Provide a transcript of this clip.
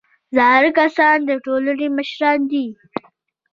زاړه کسان د ټولنې مشران دي